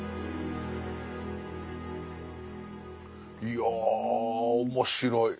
いや面白い。